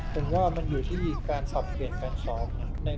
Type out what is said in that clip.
ผมก็มันอยู่ที่การปรับเปลี่ยนการซ้อมนะครับ